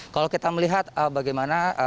kalau kita melihat bagaimana